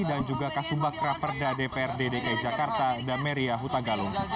dan juga kasumbak raperda dprd dki jakarta dan marya hutagalung